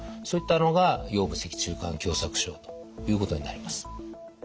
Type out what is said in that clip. そういったのが腰部脊柱管狭窄症ということになります。